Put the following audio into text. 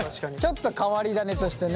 ちょっと変わり種としてね。